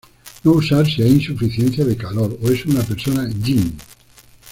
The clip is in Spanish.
No usar si hay insuficiencia de calor o es una persona yin.